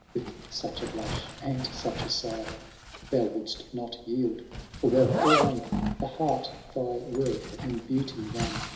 With such a blush and such a sigh ! Thou wouldst not yield, for wealth or rank. The heart thy worth and beauty won.